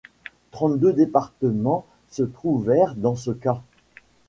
Trente-deux départements se trouvèrent dans ce cas.